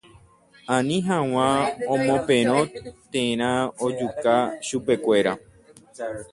Ani hag̃ua omoperõ térã ojuka chupekuéra